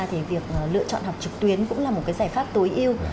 thì việc lựa chọn học trực tuyến cũng là một cái giải pháp tối yêu